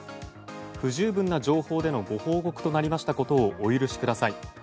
不十分な情報でのご報告となりましたことをお許しください。